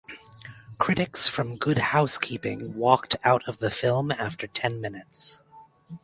Critics from "Good Housekeeping" walked out of the film after ten minutes.